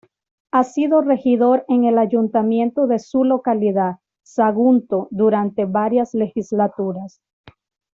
Ha sido regidor en el ayuntamiento de su localidad, Sagunto, durante varias legislaturas.